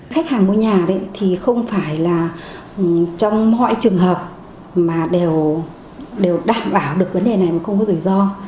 khách hàng mua nhà thì không phải là trong mọi trường hợp mà đều đảm bảo được vấn đề này mà không có rủi ro